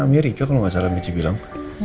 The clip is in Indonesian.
amerika kalau nggak salah michi bilang